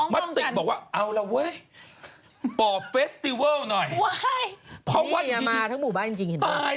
พอได้ยินเสียงก็จะหนี